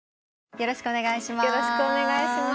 よろしくお願いします。